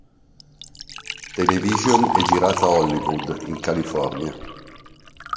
Television e girata a Hollywood in California.